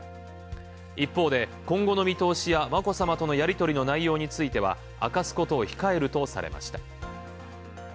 一方で、今後の見通しや眞子さまとのやりとりの内容については明かすこと控えるとされました。